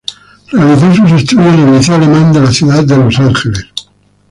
Realizó sus estudios en el Liceo Alemán de la ciudad de los Ángeles.